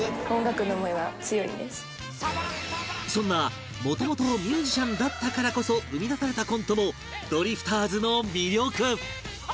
そんなもともとミュージシャンだったからこそ生み出されたコントもドリフターズの魅力！